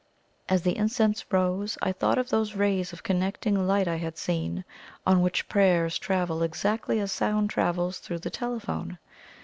As the incense rose, I thought of those rays of connecting light I had seen, on which prayers travel exactly as sound travels through the telephone.